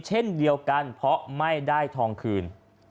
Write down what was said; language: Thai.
เช่นเดียวกันเพราะไม่ได้ทองคืน